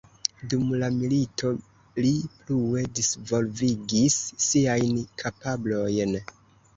Dum la milito li plue disvolvigis siajn kapablojn.